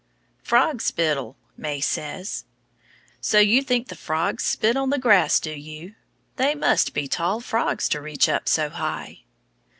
Frog spittle, May says. So you think the frogs spit on the grass do you? They must be tall frogs to reach up so high.